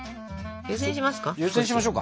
湯せんしますか。